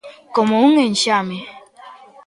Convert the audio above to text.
Como un enxame.